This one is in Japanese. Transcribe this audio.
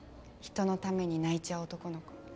人のために泣いちゃう男の子。